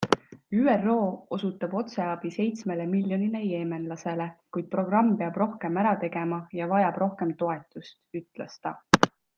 ÜRO osutab otseabi seitsmele miljonile jeemenlasele, kuid programm peab rohkem ära tegema ja vajab rohkem toetust, ütles ta.